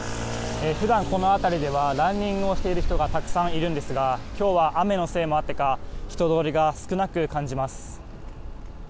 普段、この辺りではランニングをしている人がたくさんいるんですが今日は雨のせいもあってか人通りが少なく感じます。